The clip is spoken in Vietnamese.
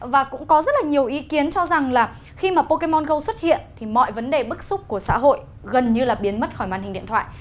và cũng có rất là nhiều ý kiến cho rằng là khi mà pokemono xuất hiện thì mọi vấn đề bức xúc của xã hội gần như là biến mất khỏi màn hình điện thoại